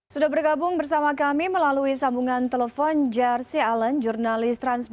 sudah bergabung bersama kami melalui sambungan telepon jersi allen